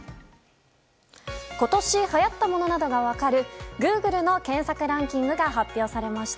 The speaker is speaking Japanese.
今年はやったものなどが分かるグーグルの検索ランキングが発表されました。